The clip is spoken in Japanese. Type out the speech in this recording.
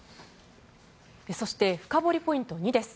そして深堀りポイント２です。